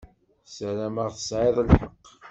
Sarameɣ tesɛiḍ lḥeqq.